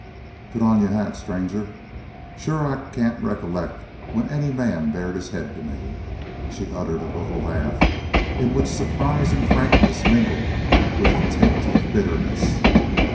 "Put on y'ur hat, stranger.... Shore I can't recollect when any man bared his haid to me." She uttered a little laugh in which surprise and frankness mingled with a tint of bitterness.